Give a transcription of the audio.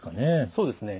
そうですね。